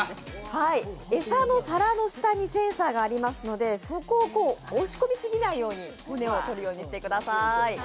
餌の皿の下にセンサーがありますので、そこを押し込みすぎないように、骨を取るようにしてください。